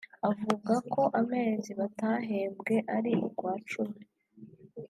Avuga ko amezi batahembwe ari ukwa cumi